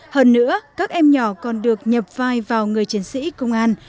hơn nữa các em nhỏ còn được nhập vai vào người chiến sĩ công an